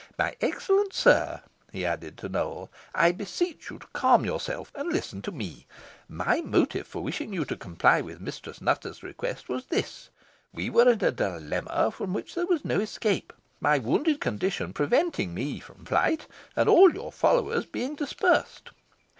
My excellent sir," he added to Nowell, "I beseech you to calm yourself, and listen to me. My motive for wishing you to comply with Mistress Nutter's request was this: We were in a dilemma from which there was no escape, my wounded condition preventing me from flight, and all your followers being dispersed.